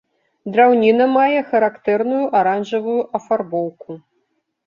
Драўніна мае характэрную аранжавую афарбоўку.